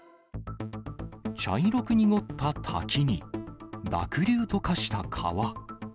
茶色く濁った滝に、濁流と化した川。